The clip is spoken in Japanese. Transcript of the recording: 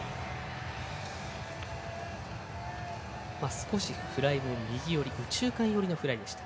少しフライも右寄り右中間よりのフライでした。